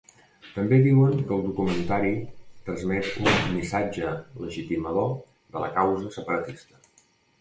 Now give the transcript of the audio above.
També diuen que el documentari transmet un ‘missatge legitimador de la causa separatista’.